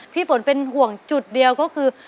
พี่ฝนเป็นห่วงจุดเดียวก็คือ